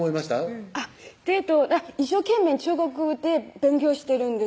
一生懸命中国で勉強してるんですよ